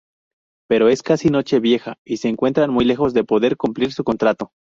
Pero es casi Nochevieja y se encuentran muy lejos de poder cumplir su contrato.